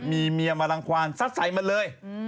มีเมียมารังความซัดใส่มันเลย